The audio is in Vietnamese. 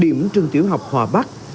điểm trường tiểu học hòa bắc